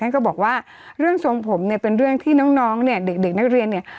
ก็บอกว่าเรื่องทรงผมเนี่ยเป็นเรื่องที่น้องเนี่ยเด็กนักเรียนเนี่ย